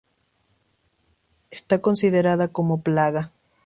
Está considerada como plaga.